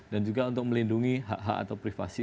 dan juga untuk melindungi hak hak atau privasi